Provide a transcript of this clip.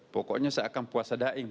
pokoknya seakan puasa daing